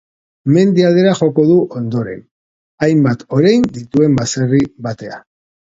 Mendi aldera joko du ondoren, hainbat orein dituen baserri batera.